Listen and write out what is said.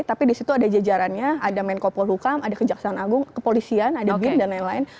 tapi di situ ada jajarannya ada menko polhukam ada kejaksaan agung kepolisian ada bin dan lain lain